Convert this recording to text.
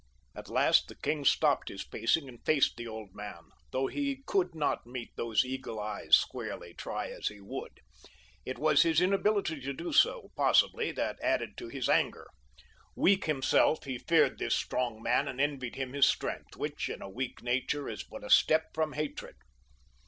At last the king stopped his pacing and faced the old man, though he could not meet those eagle eyes squarely, try as he would. It was his inability to do so, possibly, that added to his anger. Weak himself, he feared this strong man and envied him his strength, which, in a weak nature, is but a step from hatred.